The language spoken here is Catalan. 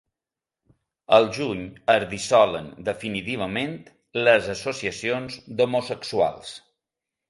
Al juny es dissolen definitivament les associacions d'homosexuals.